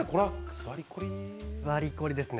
座りコリですね。